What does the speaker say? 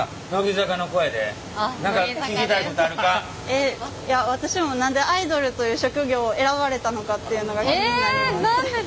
えっいや私も何でアイドルという職業を選ばれたのかっていうのが気になります。